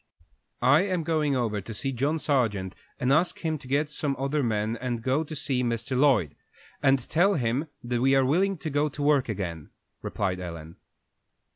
"I am going over to see John Sargent, and ask him to get some other men and go to see Mr. Lloyd, and tell him we are willing to go to work again," replied Ellen.